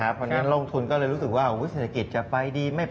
วันนี้ลงทุนก็เลยรู้สึกว่าเวลาเศรษฐกิจจะไปดีไปไม่ทาน